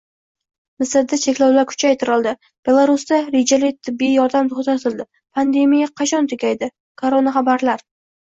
Misrda cheklovlar kuchaytirildi, Belarusda rejali tibbiy yordam to‘xtatildi, pandemiya qachon tugaydi? Koronaxabarlar